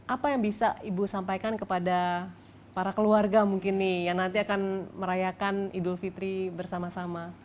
apa yang bisa ibu sampaikan kepada para keluarga mungkin nih yang nanti akan merayakan idul fitri bersama sama